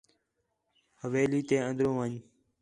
حویلی تے اندر ون٘ڄ